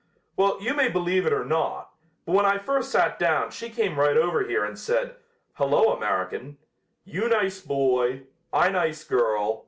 Well, you may believe it or not, but when I first sat down she came right over here and said, 'Hello, American. You nice boy. I nice girl.